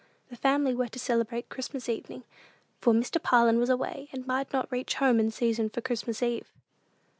The family were to celebrate Christmas evening; for Mr. Parlin was away, and might not reach home in season for Christmas eve.